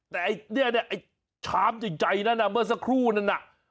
แต่ชามใจนั้นเมื่อสักครู่นั้น